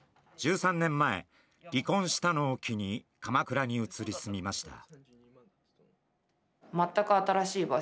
１３年前、離婚したのを機に鎌倉に移り住みました。